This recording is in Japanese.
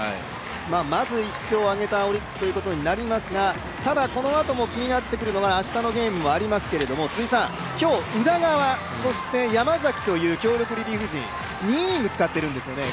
まず１勝を挙げたオリックスということになりますがただ、このあとも気になってくるのが、明日のゲームもありますけれども、今日、宇田川、山崎という強力リリーフ陣、２イニング使っているんですよね。